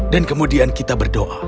dan kemudian kita berdoa